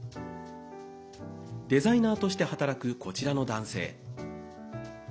デザイナーとして働くこちらの男性。